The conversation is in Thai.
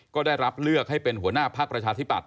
ก็ได้รับเลือกให้เป็นหัวหน้าภักดิ์ประชาธิปัต